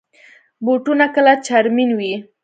بوټونه کله چرمین وي.